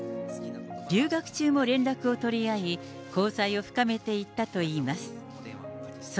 留学中も連絡を取り合い、交際を深めていったといいます。